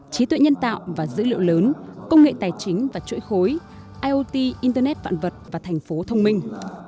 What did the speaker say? trí tuệ nhân tạo và dữ liệu lớn công nghệ tài chính và chuỗi khối iot internet vạn vật và thành phố thông minh